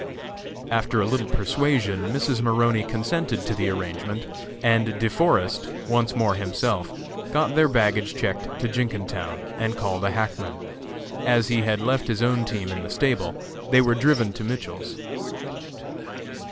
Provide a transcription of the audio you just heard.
After a little persuasion Mrs. Maroney consented to the arrangement, and De Forest, once more himself, got their baggage checked to Jenkintown, and calling a hackman, as he had left his own team in the stable, they were driven to Mitchell's.